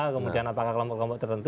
kemudian apakah kelompok kelompok tertentu